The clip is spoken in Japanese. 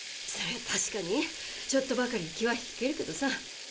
そりゃ確かにちょっとばかり気はひけるけどさ。